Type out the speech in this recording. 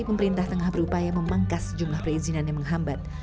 pertamina berupaya memangkas jumlah perizinan yang menghambat